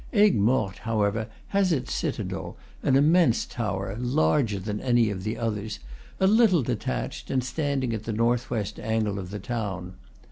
Aigues Mortes, however, has its citadel, an immense tower, larger than any of the others, a little detached, and standing at the north west angle of the town.